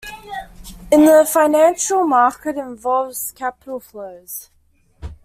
In the financial market it involves capital flows.